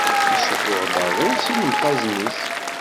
Issufuɣ-d aḍu si lemxazen-is.